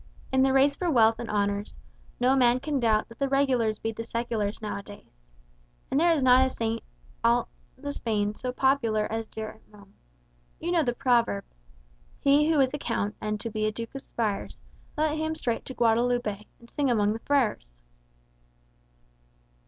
"In the race for wealth and honours, no man can doubt that the Regulars beat the Seculars now a days. And there is not a saint in all the Spains so popular as St. Jerome. You know the proverb, "'He who is a count, and to be a duke aspires. Let him straight to Guadaloupe, and sing among the friars.